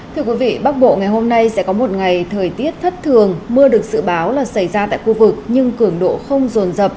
thưa quý vị bắc bộ ngày hôm nay sẽ có một ngày thời tiết thất thường mưa được dự báo là xảy ra tại khu vực nhưng cường độ không rồn rập